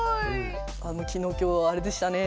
「あの昨日今日あれでしたね」